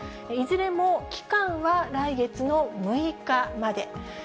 いずれも期間は来月の６日まで。